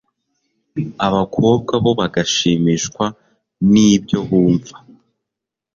abakobwa bo bagashimishwa n ibyo bumva